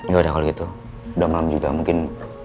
yaudah kalau gitu udah malam juga mungkin